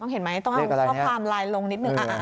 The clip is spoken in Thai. ต้องเห็นไหมต้องเอาความลายลงนิดหนึ่ง